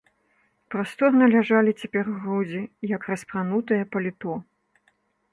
Прасторна ляжалі цяпер грудзі, як распранула паліто.